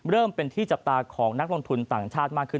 เริ่มเป็นที่จับตาของนักลงทุนต่างชาติมากขึ้น